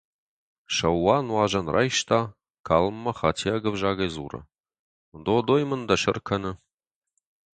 Сӕуа нуазӕн райста, калммӕ хатиаг ӕвзагӕй дзуры: «Додой мын дӕ сӕр кӕны».